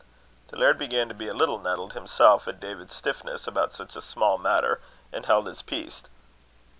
The laird began to be a little nettled himself at David's stiffness about such a small matter, and held his peace.